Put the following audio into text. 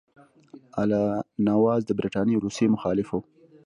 الله نواز د برټانیې او روسیې مخالف وو.